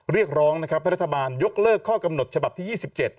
เรียกร้องนะครับให้รัฐบาลยกเลิกข้อกำหนดฉบับที่๒๗